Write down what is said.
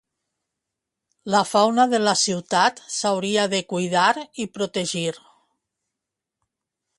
La fauna de la ciutat s'hauria de cuidar i protegir